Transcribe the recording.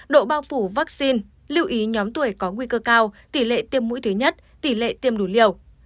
độ bao phủ vaccine lưu ý nhóm tuổi có nguy cơ cao tỷ lệ tiêm mũi thứ nhất tỷ lệ tiêm đủ liều